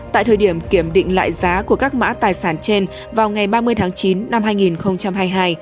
tại thời điểm kiểm định lại giá của các mã tài sản trên vào ngày ba mươi tháng chín năm hai nghìn hai mươi hai